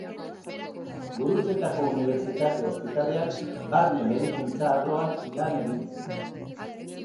Gurutzetako Unibertsitate Ospitalean barne-medikuntza arloan lan egin zuen.